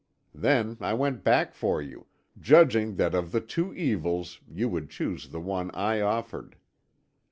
Then I went back for you, judging that of the two evils you would choose the one I offered.